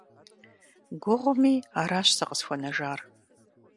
Гугъуми, аращ сэ къысхуэнэжар.